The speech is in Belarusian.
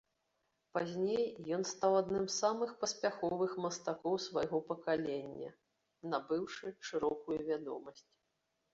Пазней ён стаў адным з самых паспяховых мастакоў свайго пакалення, набыўшы шырокую вядомасць.